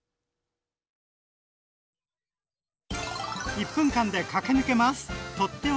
１分間で駆け抜けます！